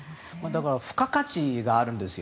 付加価値があるんですよ。